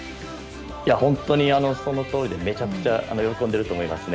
本当に、そのとおりでめちゃくちゃ喜んでいると思いますね。